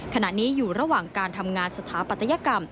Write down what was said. ขณะนี้อยู่ระหว่างการทำงานสถาปัตยกรรม